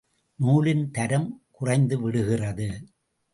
நூலின் தரம் குறைந்துவிடுகிறது.